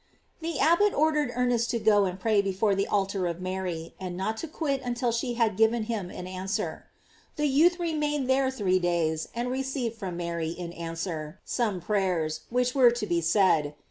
The abbot or dered Ernest to go and pray before the altar of Mary, and not to quit it until she had given him an answer. The youth remained there three days, and received from Mary, in answer, some prayers, which were to be said.